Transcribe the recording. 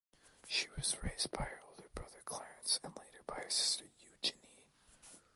She was raised by her older brother Clarence and later by her sister Eugenie.